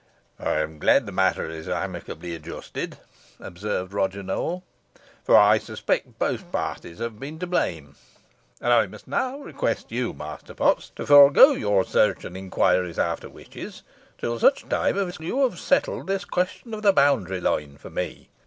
"I am glad the matter is amicably adjusted," observed Roger Nowell, "for I suspect both parties have been to blame. And I must now request you, Master Potts, to forego your search, and inquiries after witches, till such time as you have settled this question of the boundary line for me.